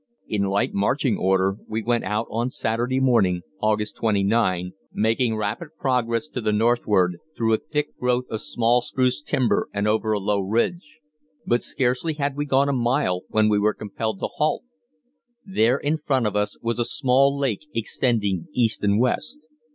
In light marching order we went out on Saturday morning (August 29), making rapid progress to the northward, through a thick growth of small spruce timber and over a low ridge; but scarcely had we gone a mile when we were compelled to halt. There in front of us was a small lake extending east and west.